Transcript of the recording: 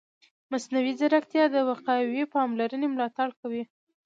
مصنوعي ځیرکتیا د وقایوي پاملرنې ملاتړ کوي.